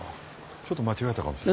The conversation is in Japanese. ちょっと間違えたかもしれない。